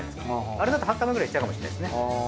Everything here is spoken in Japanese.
あれだと半玉くらいいっちゃうかもしれないですね。